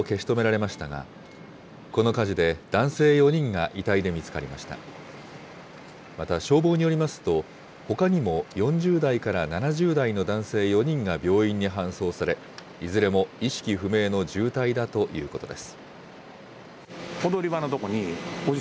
また、消防によりますと、ほかにも４０代から７０代の男性４人が病院に搬送され、いずれも意識不明の重体だということです。